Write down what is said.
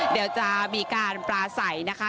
เดี๋ยวจะมีการปลาใสนะคะ